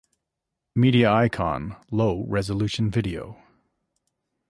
media icon Low Resolution Video